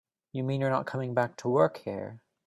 You mean you're not coming back to work here?